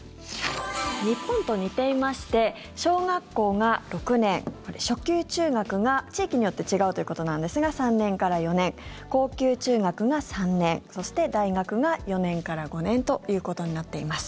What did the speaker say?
日本と似ていまして小学校が６年初級中学が、地域によって違うということなんですが３年から４年高級中学が３年そして、大学が４年から５年ということになっています。